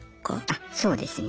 あそうですね。